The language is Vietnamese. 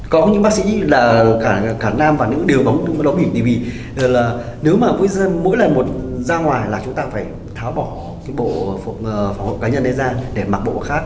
có những bác sĩ là cả nam và nữ đều đóng bỉ vì nếu mà mỗi lần một ra ngoài là chúng ta phải tháo bỏ cái bộ phòng hộ cá nhân đấy ra để mặc bộ khác